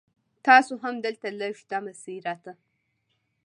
تاسو هم دلته لږ دمه شي را ته